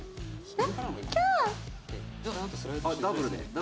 何？